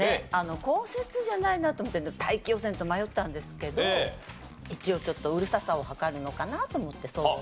降雪じゃないなと思って大気汚染と迷ったんですけど一応ちょっとうるささを測るのかなと思って騒音。